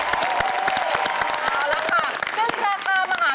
ได้แล้วแล้วค่ะ